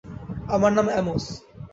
আমার নাম অ্যামোস।